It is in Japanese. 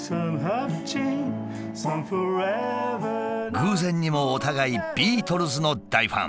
偶然にもお互いビートルズの大ファン。